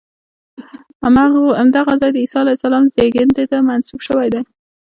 همدغه ځای د عیسی علیه السلام زېږېدنې ته منسوب شوی دی.